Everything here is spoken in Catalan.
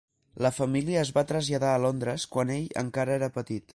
La família es va traslladar a Londres quan ell encara era petit.